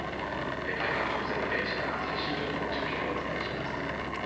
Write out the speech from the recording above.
開幕直前の現地から最新情報を中継でお伝えします。